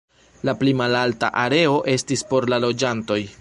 La pli malalta areo estis por la loĝantoj.